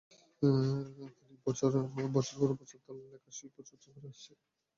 তিনি বছরের পর বছর ধরে তার লেখার শিল্প চর্চা করে আসছে; তার লেখা বেশ কয়েকবার "দেশ" পত্রিকায় প্রকাশিত হয়েছে।